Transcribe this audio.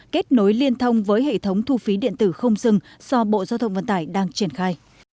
kết nối liên thông với hệ thống thu phí điện tử không dừng do bộ giao thông vận tải đang triển khai